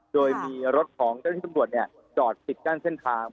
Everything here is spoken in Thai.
โดยมีรถของเจ้าหน้าที่ตำรวจจอดปิดกั้นเส้นทาง